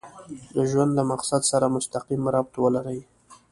د ژوند له مقصد سره مسقيم ربط ولري.